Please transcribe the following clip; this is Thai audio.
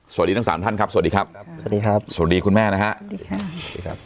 สวัสดีทั้งสามท่านครับสวัสดีครับสวัสดีครับสวัสดีคุณแม่นะฮะสวัสดีค่ะสวัสดีครับ